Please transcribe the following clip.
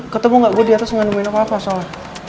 ketemu gak gue diatas ngani gue nama papa soalnya